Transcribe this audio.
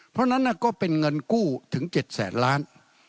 เพราะฉะนั้นก็เป็นเงินกู้ถึง๗แสนล้าน